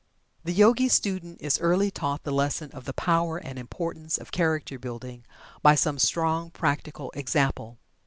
The Yogi student is early taught the lesson of the power and importance of character building by some strong practical example.